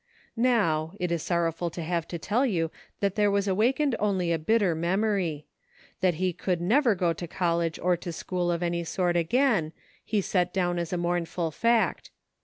Now, it is sorrowful to have to tell you that there was awakened only a bitter memory ; that he could never go to college or to school of any sort again, he set down as a mourn ful fact.